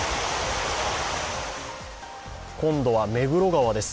今度は目黒川です。